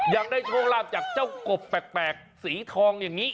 ยังได้โฌคลาดจากเจ้ากบแปลกสีทอง